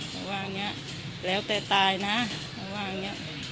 เขาว่าอย่างนี้แล้วแต่ตายนะเขาว่าอย่างนี้